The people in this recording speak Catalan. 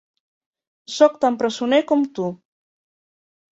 Sóc tan presoner com tu.